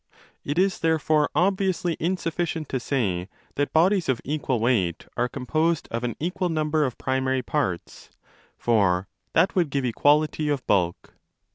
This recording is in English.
It is therefore obviously insufficient to say that bodies of equal weight are composed of an equal number of primary parts: for that would give 35 equality of bulk.